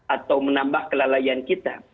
atau menambah kelalaian kita